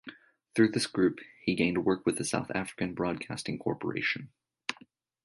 Through this group, he gained work with the South African Broadcasting Corporation.